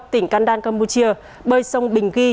tỉnh can đan campuchia bơi sông bình ghi